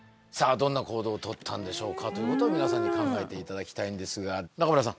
どんな行動をとったんでしょうかということを皆さんに考えていただきたいんですが仲村さん